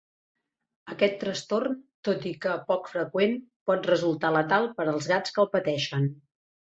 Aquest trastorn, tot i que poc freqüent, pot resultar letal per als gats que el pateixen.